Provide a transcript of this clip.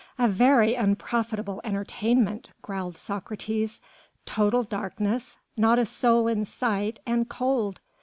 "A very unprofitable entertainment," growled Socrates. "Total darkness, not a soul in sight, and cold!